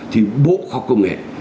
thì bộ khoa học công nghệ